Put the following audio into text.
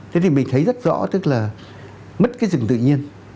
thế thì mình thấy rất rõ tức là mất cái rừng tự nhiên